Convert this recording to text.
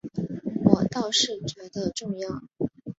我倒是觉得重要